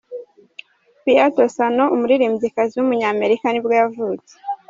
Pia Toscano, uuririmbyikazi w’umunyamerika nibwo yavutse.